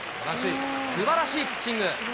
すばらしいピッチング。